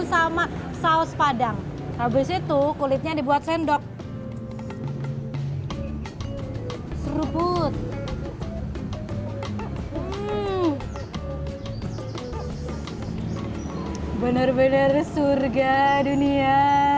sama saus padang habis itu kulitnya dibuat sendok seruput bener bener surga dunia